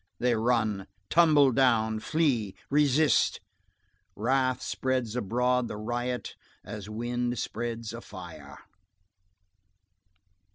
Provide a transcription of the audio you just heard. they run, tumble down, flee, resist. Wrath spreads abroad the riot as wind spreads a fire.